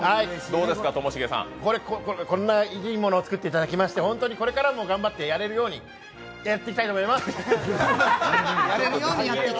こんないいものをいただきまして本当にこれからもいいものをやれるようにやっていきたいです。